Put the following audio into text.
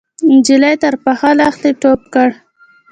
نجلۍ تر پاخه لښتي ټوپ کړ.